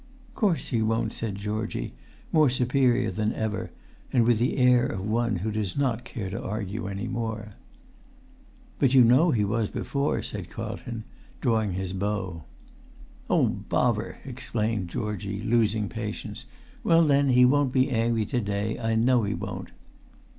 "Course he won't," said Georgie, more superior than ever, and with the air of one who does not care to argue any more. "But you know he was before," said Carlton, drawing his bow. "Oh, bovver!" exclaimed Georgie, losing patience.[Pg 282] "Well, then, he won't be angry to day, I know he won't."